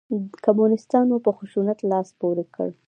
کمونسیتانو په خشونت لاس پورې کړ.